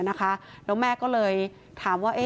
แล้วแม่ก็เลยถามว่า